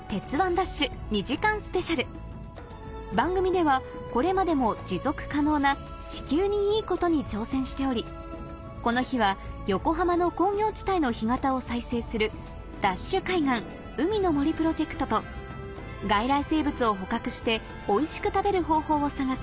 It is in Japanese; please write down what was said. ＤＡＳＨ‼』２時間スペシャル番組ではこれまでも持続可能な地球にいいことに挑戦しておりこの日は横浜の工業地帯の干潟を再生するＤＡＳＨ海岸海の森プロジェクトと外来生物を捕獲しておいしく食べる方法を探す